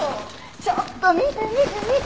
ちょっと見て見て見て見て見て！